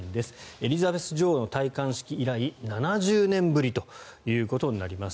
エリザベス女王の戴冠式以来７０年ぶりとなります。